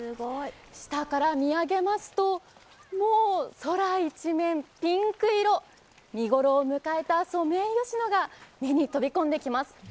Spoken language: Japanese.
下から見上げますともう空一面、ピンク色見頃を迎えたソメイヨシノが目に飛び込んできます。